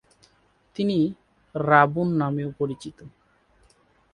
তিনি "রাবণ" নামেও পরিচিত।